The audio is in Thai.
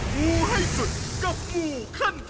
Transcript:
งูให้สุดกับงูขั้น